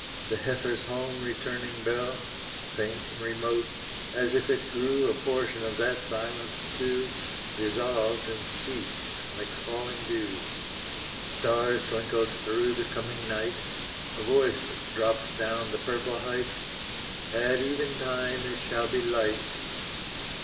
The heifer's home returning bell, Faint and remote, as if it grew A portion of that silence too, Dissolved and ceased, like falling dew. Stars twinkled through the coming night, A voice dropped down the purple height, At even time it shall be light.